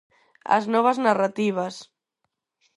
Ás novas narrativas.